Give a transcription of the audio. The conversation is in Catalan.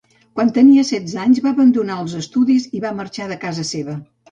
Quan tenia setze anys va abandonar els estudis i va marxar de casa seva.